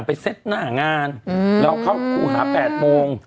ไปเซ็ตหน้างานแล้วเขาหา๘โมง